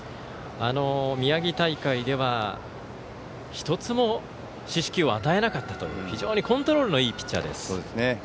宮城大会では１つも四死球を与えなかったという非常にコントロールのいいピッチャーです。